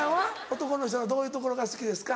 男の人のどういうところが好きですか？